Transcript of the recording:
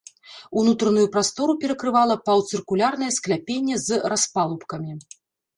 Унутраную прастору перакрывала паўцыркульнае скляпенне з распалубкамі.